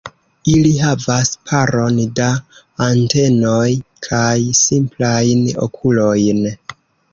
Ili havas paron da antenoj kaj simplajn okulojn.